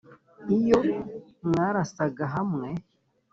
iyo mwarasaga hamwe ?